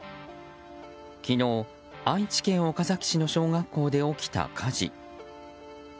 昨日、愛知県岡崎市の小学校で起きた火事。